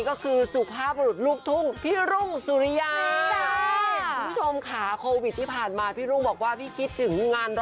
คือรุ่งกันเลยดีกว่าค่าาาาาาาา